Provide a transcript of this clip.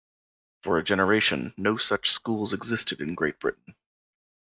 For a generation, no such schools existed in Great Britain.